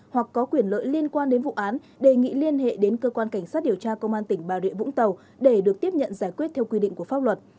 hoặc có quyền lợi liên quan đến vụ án đề nghị liên hệ đến cơ quan cảnh sát điều tra công an tỉnh bà rịa vũng tàu để được tiếp nhận giải quyết theo quy định của pháp luật